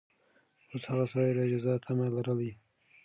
اوس هغه سړي د جزا تمه لرله.